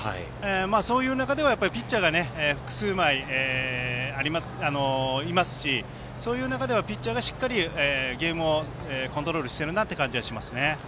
そういう中ではピッチャーが複数枚いますしそういう中ではピッチャーがしっかりゲームをコントロールしているなという感じはします。